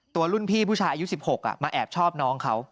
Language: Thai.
รุ่นพี่ผู้ชายอายุ๑๖มาแอบชอบน้องเขา